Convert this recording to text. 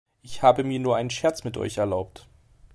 Ich habe mir nur einen Scherz mit Euch erlaubt.